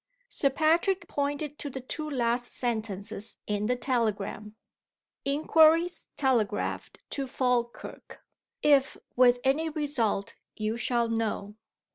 Sir Patrick pointed to the two last sentences in the telegram: "Inquiries telegraphed to Falkirk. If with any result, you shall know."